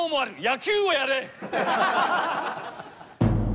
野球をやれ！